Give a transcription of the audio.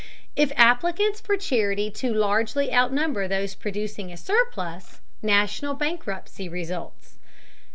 If applicants for charity too largely outnumber those producing a surplus, national bankruptcy results.